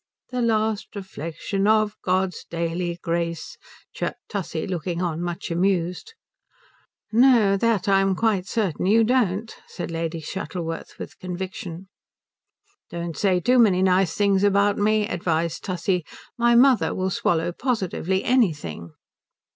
"'The last reflection of God's daily grace'" chirped Tussie, looking on much amused. "No, that I'm quite certain you don't," said Lady Shuttleworth with conviction. "Don't say too many nice things about me," advised Tussie. "My mother will swallow positively anything."